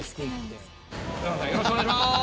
よろしくお願いします。